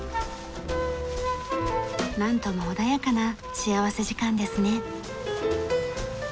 なんとも穏やかな幸福時間ですね。